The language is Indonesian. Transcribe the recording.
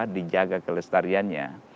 nah itu adalah kelesetariannya